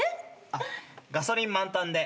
あっガソリン満タンで。